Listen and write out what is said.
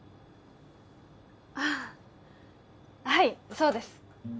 ああはいそうです